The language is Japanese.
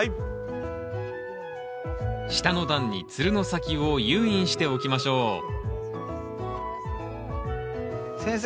下の段につるの先を誘引しておきましょう先生